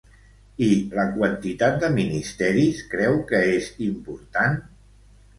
I la quantitat de ministeris creu que és important?